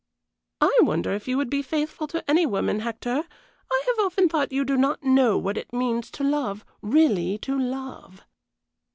"I wonder if you would be faithful to any woman, Hector? I have often thought you do not know what it means to love really to love."